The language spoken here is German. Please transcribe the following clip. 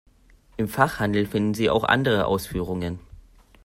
Im Fachhandel finden Sie auch andere Ausführungen.